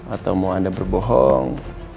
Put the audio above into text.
atau mau anda berbohong